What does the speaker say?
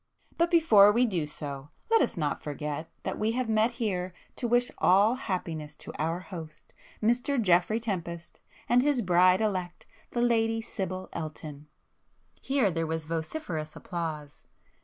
But before we do so, let us not forget that we have met here to wish all happiness to our host, Mr Geoffrey Tempest and his bride elect, the Lady Sibyl Elton." Here there was vociferous applause.